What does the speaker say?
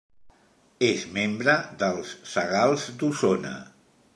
És membre dels Sagals d'Osona.